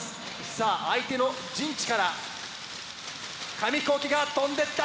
さあ相手の陣地から紙ヒコーキが飛んできた！